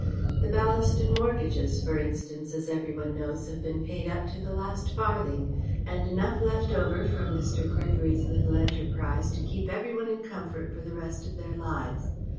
"The Ballaston mortgages, for instance, as every one knows, have been paid up to the last farthing, and enough left over from Mr. Gregory's little enterprise to keep every one in comfort for the rest of their lives.